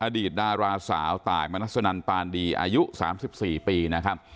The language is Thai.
อดีตดาราสาวตายมนัสนันปานดีอายุ๓๔ปีนะครับ